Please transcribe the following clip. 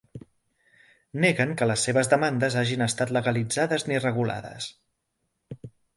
Neguen que les seves demandes hagin estat legalitzades ni regulades.